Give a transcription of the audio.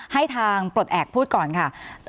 ให้ทางปลดแอบพูดก่อนค่ะ